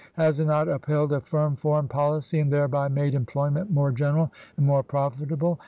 Has it not upheld a firm Foreign Policy and thereby made employment more general and more profitable?